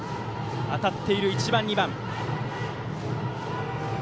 当たっている１番、２番。